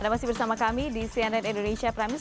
anda masih bersama kami di cnn indonesia prime news